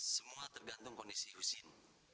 semua tergantung kondisi usin